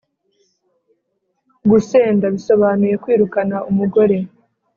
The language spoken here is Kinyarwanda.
Gusenda:bisobanuye kwirukana umugore.